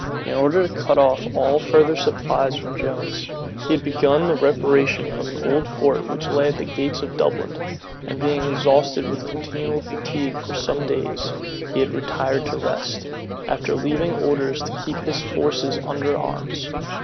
In order to cut off all further supply from Jones, he had begun the reparation of an old fort which lay at the gates of Dublin; and being exhausted with continual fatigue for some days, he had retired to rest, after leaving orders to keep his forces under arms.